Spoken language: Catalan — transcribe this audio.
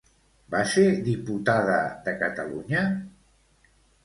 Va ser diputada de Catalunya?